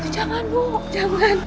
jangan nu jangan